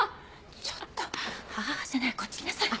ちょっと「ハハハ」じゃないこっち来なさい。